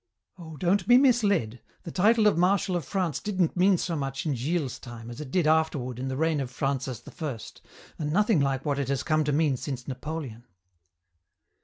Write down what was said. "Oh, don't be misled. The title of Marshal of France didn't mean so much in Gilles's time as it did afterward in the reign of Francis I, and nothing like what it has come to mean since Napoleon.